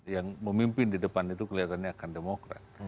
yang memimpin di depan itu kelihatannya akan demokrat